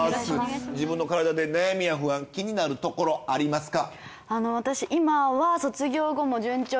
自分の体で悩みや不安気になるところありますか？